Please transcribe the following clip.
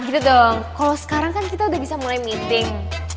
gitu dong kalau sekarang kan kita udah bisa mulai meeting